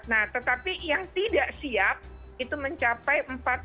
nah tetapi yang tidak siap itu mencapai empat puluh